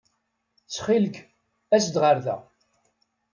Ttxil-k, as-d ɣer da.